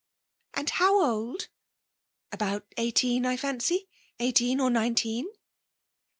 " And how old ?"" About eighteen, I fancy ;— eighteen or nineteen.'